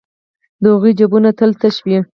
د هغوی جېبونه تل تش وي